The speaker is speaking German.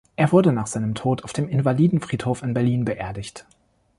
Er wurde nach seinem Tod auf dem Invalidenfriedhof in Berlin beerdigt.